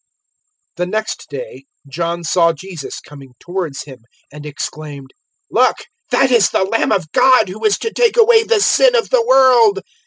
001:029 The next day John saw Jesus coming towards him and exclaimed, "Look, that is the Lamb of God who is to take away the sin of the world!